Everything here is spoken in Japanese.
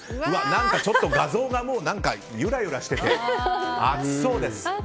何かちょっと画像がもうゆらゆらしてて暑そうです。